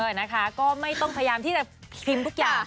นะคะก็ไม่ต้องพยายามที่จะพิมพ์ทุกอย่าง